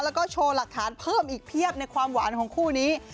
แล้วก็โชว์หลักฐานเพิ่มอีกเพียบในความหวานของคู่นี้